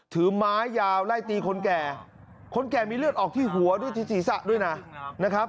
ถือไม้ยาวไล่ตีคนแก่คนแก่มีเลือดออกที่หัวด้วยที่ศีรษะด้วยนะนะครับ